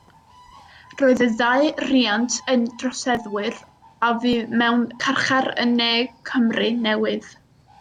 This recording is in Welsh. Roedd y ddau riant yn droseddwyr a fu mewn carchar yn Ne Cymru Newydd.